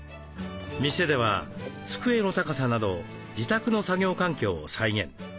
店では机の高さなど自宅の作業環境を再現。